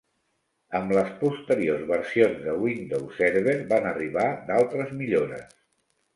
Amb les posteriors versions de Windows Server, van arribar d'altres millores.